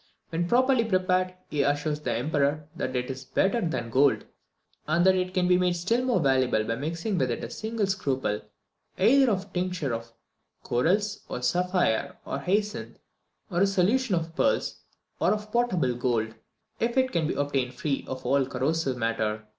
When properly prepared he assures the Emperor that it is better than gold, and that it may be made still more valuable by mixing with it a single scruple either of the tincture of corals, or sapphire, or hyacinth, or a solution of pearls, or of potable gold, if it can be obtained free of all corrosive matter!